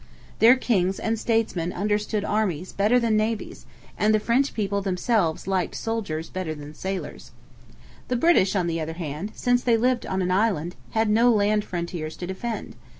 Their kings and statesmen understood armies better than navies, and the French people themselves liked soldiers better than sailors. The British, on the other hand, since they lived on an island, had no land frontiers to defend.